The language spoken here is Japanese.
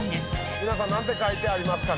皆さん何て書いてありますかね？